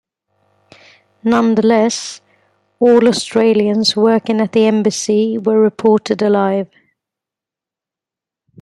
Nonetheless, all Australians working at the embassy were reported alive.